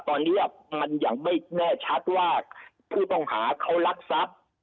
ตอนนี้มันยังไม่แน่ชัดว่าผู้ต้องหาเขารักทรัพย์